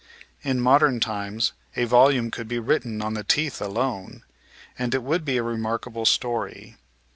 In modem times a volume could be written on the teeth alone, and it would be a remarkable story.